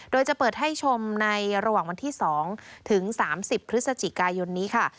โดยจะเปิดให้ชมในระหว่างวันที่๒ถึง๓๐พฤศจิกายนนี้ค่ะ